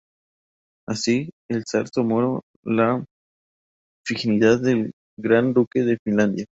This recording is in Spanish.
Así, el zar tomó la dignidad de gran duque de Finlandia.